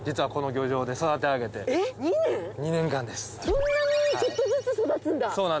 そんなにちょっとずつ育つんだ。